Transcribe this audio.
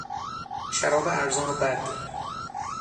شراب ارزان و بد